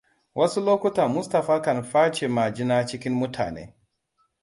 Wasu lokutan Mustapha kan face majina cikin mutane.